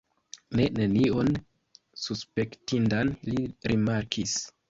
Ne, nenion suspektindan li rimarkis.